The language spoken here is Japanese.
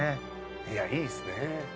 いやいいっすね。